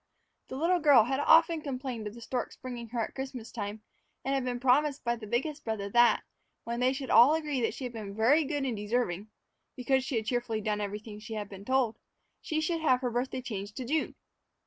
The little girl had often complained of the stork's bringing her at Christmas time, and had been promised by the biggest brother that, when they should all agree that she was very good and deserving because she had cheerfully done everything she had been told she should have her birthday changed to June!